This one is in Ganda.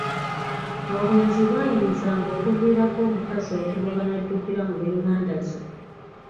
Obwenzi bwayinzanga okuviirako omukazi okunoba n’addukira mu banganda ze.